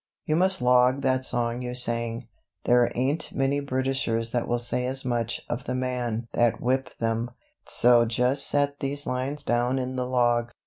You must log that song you sang; there ain't many Britishers that will say as much of the man that whipped them; so just set these lines down in the log!"